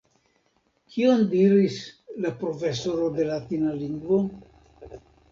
Kion diris la profesoro de latina lingvo?